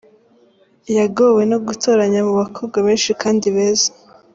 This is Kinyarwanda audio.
Yagowe no gutoranya mu bakobwa benshi kandi beza.